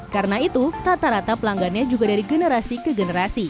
karena itu rata rata pelanggannya juga dari generasi ke generasi